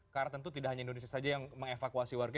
karena tentu tidak hanya indonesia saja yang mengevakuasi warga